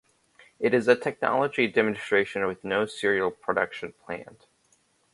It is a technology demonstration with no serial production planned.